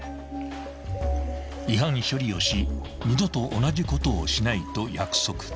［違反処理をし二度と同じことをしないと約束］